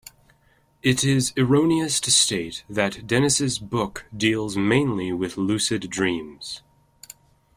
It is erroneous to state that Denys's book deals mainly with lucid dreams.